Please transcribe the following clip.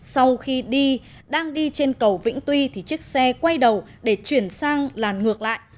sau khi đi đang đi trên cầu vĩnh tuy thì chiếc xe quay đầu để chuyển sang làn ngược lại